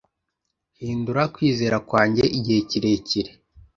hindura kwizera kwanjye igihe kirekire